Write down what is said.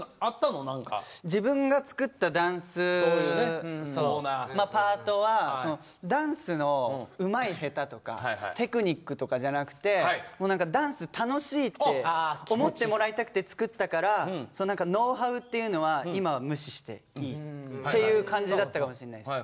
自分が作ったダンスパートはダンスのうまい下手とかテクニックとかじゃなくてダンス楽しいって思ってもらいたくて作ったからノウハウっていうのは今は無視していいっていう感じだったかもしれないです。